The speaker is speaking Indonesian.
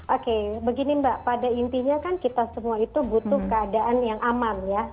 oke begini mbak pada intinya kan kita semua itu butuh keadaan yang aman ya